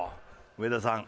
上田さん